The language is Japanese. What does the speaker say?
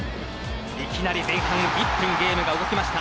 いきなり前半１分ゲームが動きました。